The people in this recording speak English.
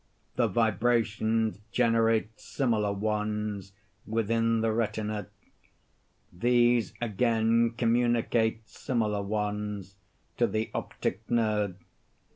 The vibrations generate similar ones within the retina; these again communicate similar ones to the optic nerve.